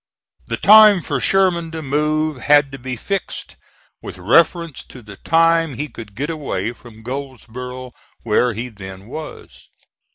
The time for Sherman to move had to be fixed with reference to the time he could get away from Goldsboro where he then was.